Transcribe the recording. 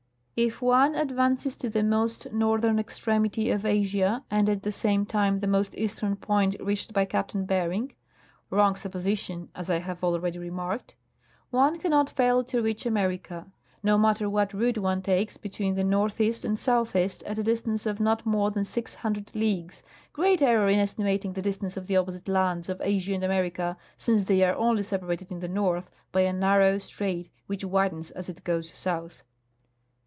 ' If one advances to the most northern extremity of Asia, and at the same time the most eastern point reached by Captain Bering (wrong sup position, as I have already remarked), one cannot fail to reach America, no matter what route one takes bet^'een the northeast and southeast, at a distance of not more tlian 600 leagues (great error in estimating the distance of the opposite lands of Asia and America, since they are only separated in the north by a narrow strait which widens as it goes south).